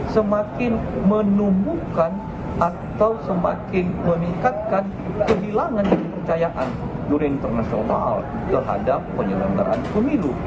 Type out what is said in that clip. semakin menumbuhkan atau semakin meningkatkan kehilangan kepercayaan guru internasional terhadap penyelenggaraan pemilu